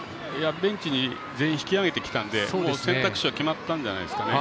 ベンチに全員引き揚げてきたので選択肢は決まったんじゃないですかね。